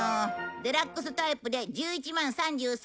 デラックスタイプで１１万３３円